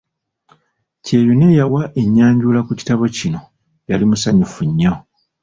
Kyeyune eyawa ennyanjula ku kitabo kino yali musanyufu nnyo.